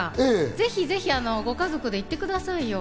ぜひぜひ、ご家族で行ってくださいよ。